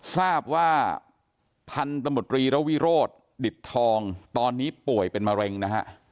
ทราบว่าพันธมตรีระวิโรธดิตทองตอนนี้ป่วยเป็นมะเร็งนะฮะ